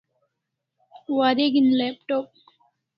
Wareg'in laptop